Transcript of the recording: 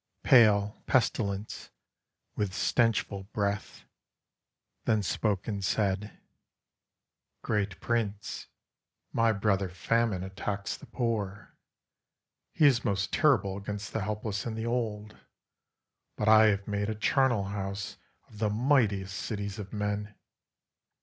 Pale Pestilence, with stenchful breath, then spoke and said, "Great Prince, my brother, Famine, attacks the poor. He is most terrible against the helpless and the old. But I have made a charnel house of the mightiest cities of men.